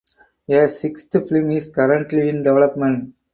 A sixth film is currently in development.